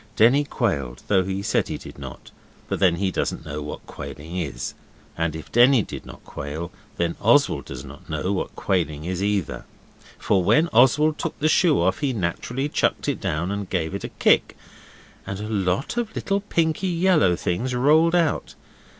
Denny quailed though he said he did not but then he doesn't know what quailing is, and if Denny did not quail then Oswald does not know what quailing is either. For when Oswald took the shoe off he naturally chucked it down and gave it a kick, and a lot of little pinky yellow things rolled out.